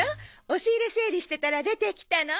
押し入れ整理してたら出てきたの。